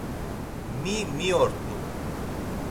Mi mi ort̆u?